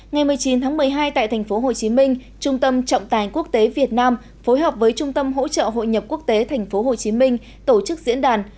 ngày một mươi chín tháng một mươi hai tại tp hcm trung tâm trọng tài quốc tế việt nam phối hợp với trung tâm hỗ trợ hội nhập quốc tế tp hcm tổ chức diễn đàn